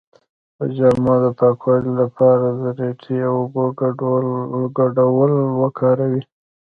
د جامو د پاکوالي لپاره د ریټې او اوبو ګډول وکاروئ